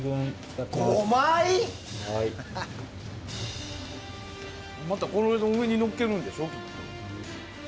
またこの上にのっけるんでしょ。